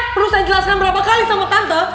perlu saya jelaskan berapa kali sama tante